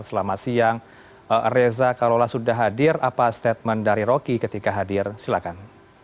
selamat siang reza kalau sudah hadir apa statement dari roky ketika hadir silakan